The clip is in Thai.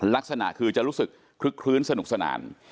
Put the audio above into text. ลักษณะคือจะรู้สึกคลึกคลื้นสนุกสนาน